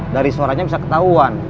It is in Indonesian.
dari suaranya bisa ketahuan